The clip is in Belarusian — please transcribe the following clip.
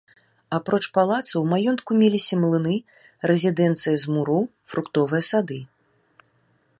Апроч палацу, у маёнтку меліся млыны, рэзідэнцыя з муру, фруктовыя сады.